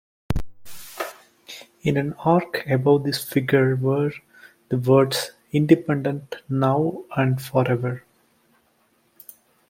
In an arch above this figure were the words "Independent Now and Forever".